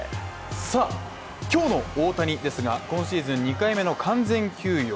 今日の大谷ですが今シーズン２回目の完全休養。